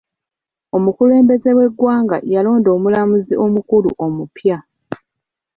Omukulembeze w'eggwanga yalonda omulamuzi omukulu omupya.